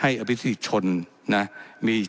และยังเป็นประธานกรรมการอีก